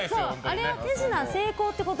あれは手品成功ってこと？